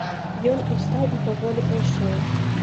Ён устаў і паволі пайшоў.